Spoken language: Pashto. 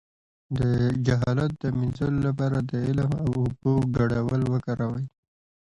د جهالت د مینځلو لپاره د علم او اوبو ګډول وکاروئ